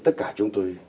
tất cả chúng tôi